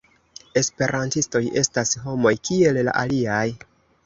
Esperantistoj estas homoj kiel la aliaj.